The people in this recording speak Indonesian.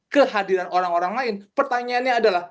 kehadiran orang orang lain pertanyaannya adalah